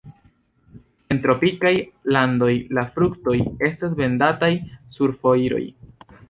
En tropikaj landoj la fruktoj estas vendataj sur foiroj.